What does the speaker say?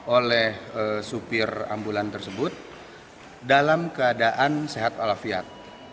oleh supir ambulan tersebut dalam keadaan sehat walafiat